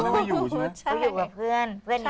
แม่ไม่อยู่ใช่ไหม